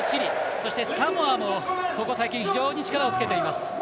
そしてサモアもここ最近非常に力をつけてきます。